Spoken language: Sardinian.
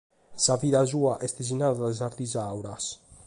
Sa vida sua est sinnada dae sas disauras.